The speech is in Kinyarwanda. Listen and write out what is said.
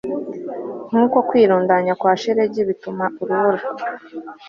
Nkuko kwirundanya kwa shelegi bituma urubura